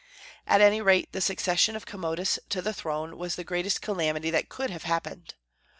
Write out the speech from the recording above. At any rate, the succession of Commodus to the throne was the greatest calamity that could have happened.